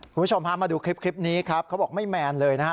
คุณผู้ชมพามาดูคลิปนี้ครับเขาบอกไม่แมนเลยนะฮะ